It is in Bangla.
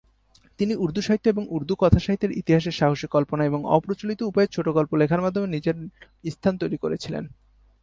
তিনি উর্দু সাহিত্য এবং উর্দু কথাসাহিত্যের ইতিহাসে সাহসী কল্পনা এবং অপ্রচলিত উপায়ে ছোট গল্প লেখার মাধ্যমে নিজের স্থান তৈরি করেছিলেন।